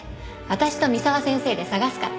私と三沢先生で探すから。